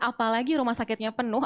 apalagi rumah sakitnya penuh